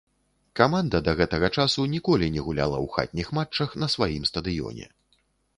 Каманда да гэтага часу ніколі не гуляла у хатніх матчах на сваім стадыёне.